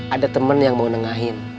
ada temen yang mau nengahin